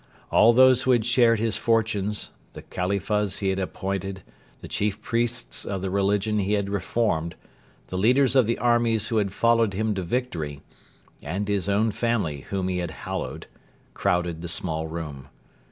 All those who had shared his fortunes the Khalifas he had appointed, the chief priests of the religion he had reformed, the leaders of the armies who had followed him to victory, and his own family whom he had hallowed crowded the small room.